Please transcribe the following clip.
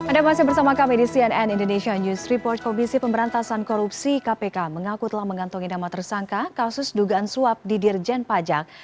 ada masih bersama kami di cnn indonesia news report komisi pemberantasan korupsi kpk mengaku telah mengantongi nama tersangka kasus dugaan suap di dirjen pajak